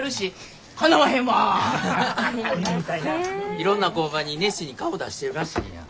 いろんな工場に熱心に顔出してるらしいやん。